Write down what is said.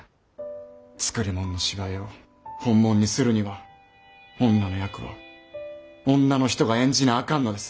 作りもんの芝居を本物にするには女の役は女の人が演じなあかんのです。